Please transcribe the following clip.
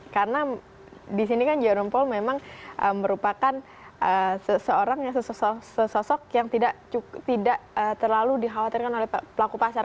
karena di sini kan jerome paul memang merupakan seseorang yang sesosok yang tidak terlalu dikhawatirkan oleh pelaku pasar